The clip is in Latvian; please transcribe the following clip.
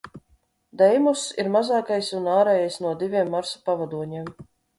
Deimoss ir mazākais un ārējais no diviem Marsa pavadoņiem.